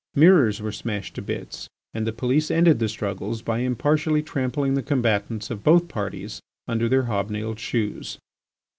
Mirrors were smashed to bits, and the police ended the struggles by impartially trampling the combatants of both parties under their hob nailed shoes.